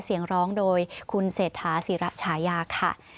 เสียงร้องโดยคุณเศรษฐาศิระฉายาค่ะ